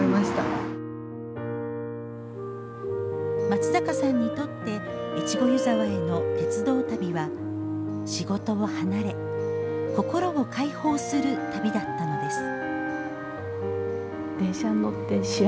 松坂さんにとって越後湯沢への鉄道旅は仕事を離れ心を解放する旅だったのです。